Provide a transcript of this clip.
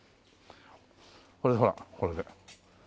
これでほらこれで。